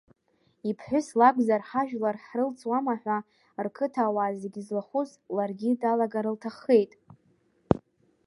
Иԥҳәыс лакәзар, ҳажәлар ҳрылҵуама ҳәа, рқыҭауаа зегьы злахәыз ларгьы далагар лҭаххеит.